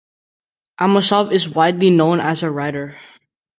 Amosov is widely known as a writer.